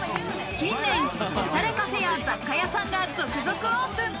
近年、おしゃれカフェや雑貨屋さんが続々オープン。